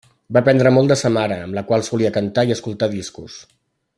Va aprendre molt de sa mare, amb la qual solia cantar i escoltar discos.